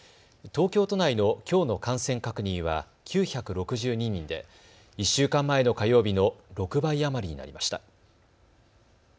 東京都内のきょうの感染確認は９６２人で１週間前の火曜日の６倍余りになりました。